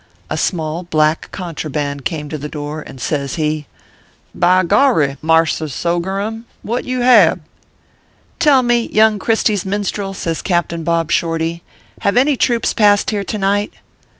A small black contraband came to the door, and says he :" By gorry, mars r sogerum, what you hab ?" "Tell me, young Christy s minstrel," says Cap tain Bob Shorty, "have any troops passed here to night